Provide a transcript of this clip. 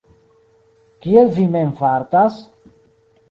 Kiel vi mem fartas?